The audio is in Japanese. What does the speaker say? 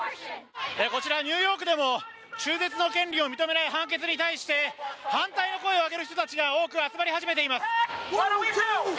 こちら、ニューヨークでも中絶の権利を認めない判決に対して反対の声を上げる人たちが多く集まり始めています。